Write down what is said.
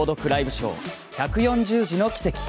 ショー１４０字のキセキ」。